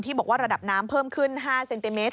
บอกว่าระดับน้ำเพิ่มขึ้น๕เซนติเมตร